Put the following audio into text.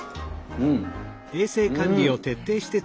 うん！